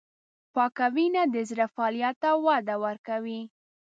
پاکه وینه د زړه فعالیت ته وده ورکوي.